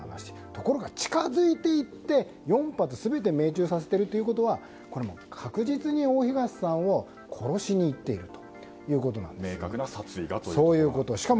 ところが近づいていって４発全て命中させているということは確実に大東さんを殺しにいっている明確な殺意がということですね。